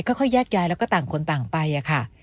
ค่อยแยกย้ายแล้วก็ต่างคนต่างไปค่ะ